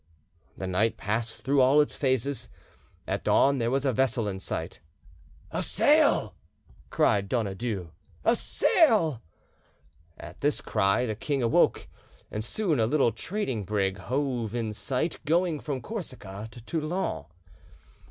The night passed through all its phases. At dawn there was a vessel in sight. "A sail!" cried Donadieu,—"a sail!" At this cry the king—awoke; and soon a little trading brig hove in sight, going from Corsica to Toulon.